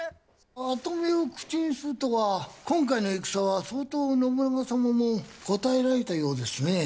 跡目を口にするとは今回の戦は相当、信長様もこたえられたようですね。